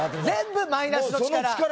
全部マイナスの力！